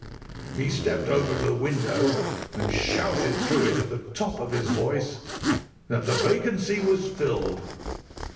He stepped over to the window and shouted through it at the top of his voice that the vacancy was filled.